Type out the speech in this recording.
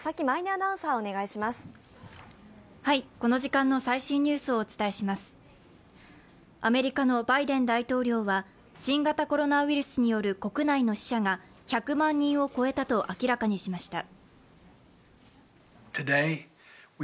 アメリカのバイデン大統領は新型コロナウイルスによる国内の死者が１００万人を超えたと明らかにしました。